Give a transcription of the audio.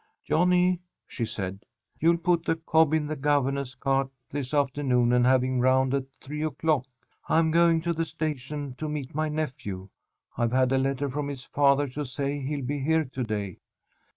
"Johnny," she said, "you'll put the cob in the governess cart this afternoon and have him round at three o'clock. I'm going up to the station to meet my nephew. I've had a letter from his father to say he'll be here to day."